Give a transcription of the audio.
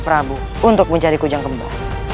prabu untuk mencari kujang kembar